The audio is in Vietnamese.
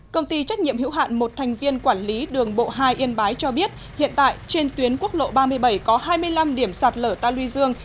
công ty trách nhiệm hữu hạn một thành viên quản lý đường bộ hai yên bái cho biết hiện tại trên tuyến quốc lộ ba mươi bảy có hai mươi năm điểm sạt lở ta luy dương